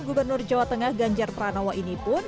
gubernur jawa tengah ganjar pranowo ini pun